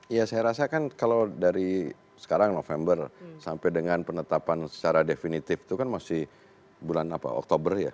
ya saya rasa kan kalau dari sekarang november sampai dengan penetapan secara definitif itu kan masih bulan oktober ya